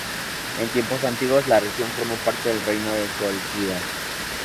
En tiempos antiguos, la región formó parte del reino de Cólquida.